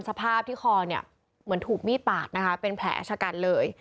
สภาพที่คอเนี่ยเหมือนถูกมีดปาดนะคะเป็นแผลชะกันเลย